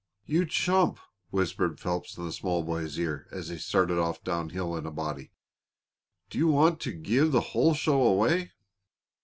"You chump!" whispered Phelps in the small boy's ear as they started off downhill in a body. "Do you want to give the whole show away?"